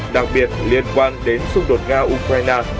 đặc biệt liên quan đến xung đột nga ukraine